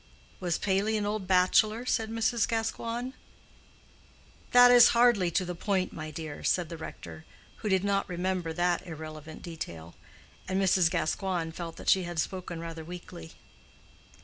"Was Paley an old bachelor?" said Mrs. Gascoigne. "That is hardly to the point, my dear," said the rector, who did not remember that irrelevant detail. And Mrs. Gascoigne felt that she had spoken rather weakly.